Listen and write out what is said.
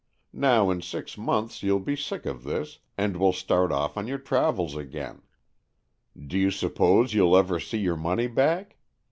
Now in six months you'll be sick of this, and will start off on your travels again. Do you suppose you'll ever see your money back